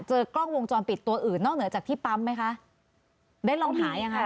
เจอกล้องวงจรปิดตัวอื่นนอกเหนือจากที่ปั๊มไหมคะได้ลองหายังไง